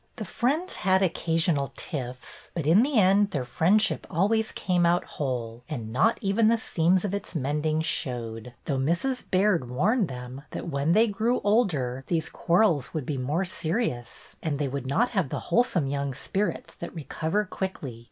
The friends had occasional tiffs, but in the end their friendship always came out whole, and not even the seams of its mending showed; though Mrs. Baird warned them that, when they grew older, these quarrels would be more serious and they would not have the whole some young spirits that recover quickly.